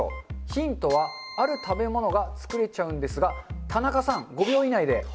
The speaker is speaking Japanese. ヒントはある食べ物が作れちゃうんですが、田中さん、５秒以内で何？